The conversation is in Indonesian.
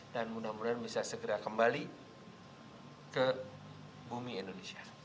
dan mudah mudahan bisa segera kembali ke bumi indonesia